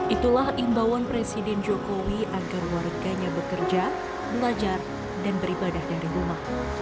itulah imbauan presiden jokowi agar warganya bekerja belajar dan beribadah dari rumah